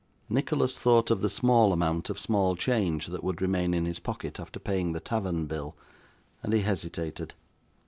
Nicholas thought of the small amount of small change that would remain in his pocket after paying the tavern bill; and he hesitated.